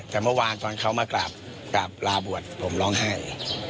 แต่เมื่อวานเมื่อเขามากลับกลางบรรชาผมร้องไห้